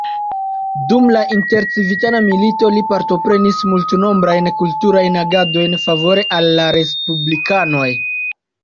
Dum la intercivitana milito li partoprenas multnombrajn kulturajn agadojn favore al la respublikanoj.